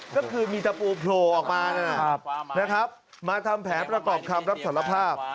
ก็คือมีตะปูโผล่ออกมานะครับมาทำแผนประกอบคำรับสารภาพ